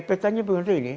petanya begitu ini